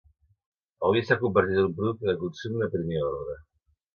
El vi s'ha convertit en un producte de consum de primer ordre.